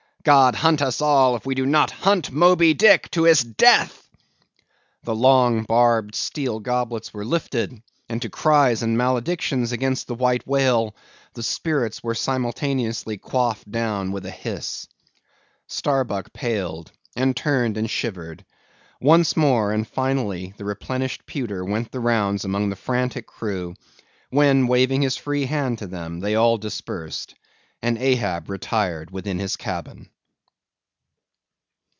God hunt us all, if we do not hunt Moby Dick to his death!" The long, barbed steel goblets were lifted; and to cries and maledictions against the white whale, the spirits were simultaneously quaffed down with a hiss. Starbuck paled, and turned, and shivered. Once more, and finally, the replenished pewter went the rounds among the frantic crew; when, waving his free hand to them, they all dispersed; and Ahab retired within his cabin.